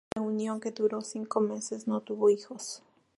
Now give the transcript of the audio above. La unión, que duró cinco meses, no tuvo hijos.